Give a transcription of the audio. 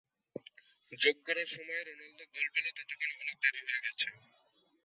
যোগ করা সময়ে রোনালদো গোল পেলেও ততক্ষণে অনেক দেরি হয়ে গেছে।